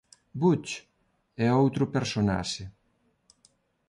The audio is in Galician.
Butch é outro personaxe.